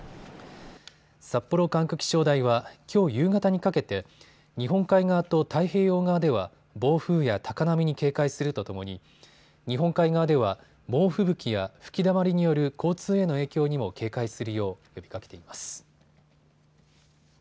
札幌管区気象台はきょう夕方にかけて日本海側と太平洋側では暴風や高波に警戒するとともに日本海側では猛吹雪や吹きだまりによる交通への影響にも警戒するよう呼びかけています。